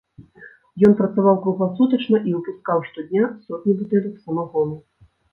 Ён працаваў кругласутачна і выпускаў штодня сотні бутэлек самагону.